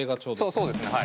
そうですねはい。